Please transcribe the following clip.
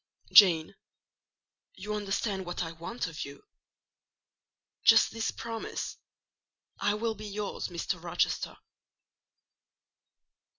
"Jane, you understand what I want of you? Just this promise—'I will be yours, Mr. Rochester.